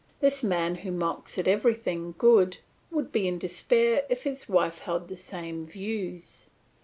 This man who mocks at everything good would be in despair if his wife held the same views.